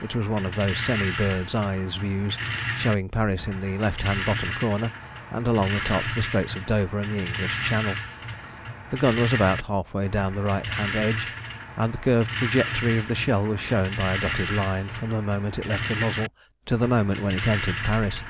It was one of those semi bird's eye views, showing Paris in the left hand bottom corner, and along the top the Straits of Dover and the English Channel. The gun was about half way down the right hand edge, and the curved trajectory of the shell was shown by a dotted line from the moment it left the muzzle to the moment when it entered Paris.